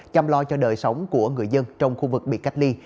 chăm lo cho đời sống của người dân trong khu vực bị cách ly